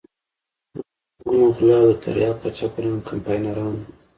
د ګمرکونو غله او د تریاکو قاچاقبران کمپاینران وو.